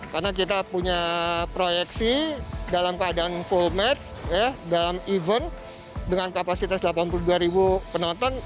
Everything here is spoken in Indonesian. karena kita punya proyeksi dalam keadaan full match dalam event dengan kapasitas delapan puluh dua ribu penonton